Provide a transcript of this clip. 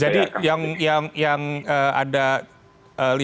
jadi yang ada lihat kemungkinan yang akan balik balik